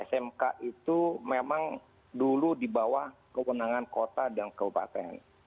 smk itu memang dulu di bawah kewenangan kota dan kabupaten